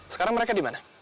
sekarang mereka di mana